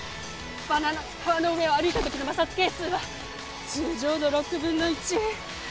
バナナの皮の上を歩いたときの摩擦係数は通常の６分の１。